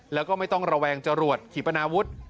แล้วก็ไม่ต้องระแวงจรวดขีปนาวุฒิ